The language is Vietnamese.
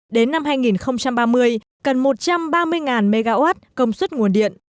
đến năm hai nghìn ba mươi cần một trăm ba mươi mw công suất nguồn điện